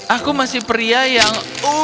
aku masih pria yang